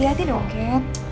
kat hati hati dong kat